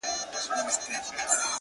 • رغړېدم چي له کعبې تر سومناته -